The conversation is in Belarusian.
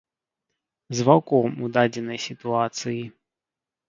З ваўком у дадзенай сітуацыі.